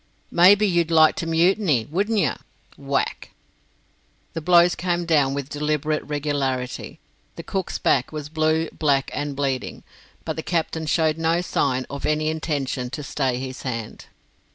"Maybe you'd like to mutiny, wouldn't you?" Whack! The blows came down with deliberate regularity; the cook's back was blue, black, and bleeding, but the captain showed no sign of any intention to stay his hand.